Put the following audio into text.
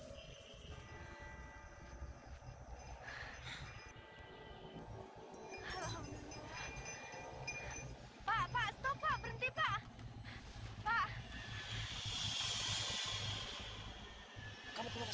ibu berkorban mengingatku